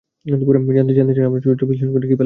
জানতে চান আপনার চরিত্র বিশ্লেষণ করে কী পেলাম?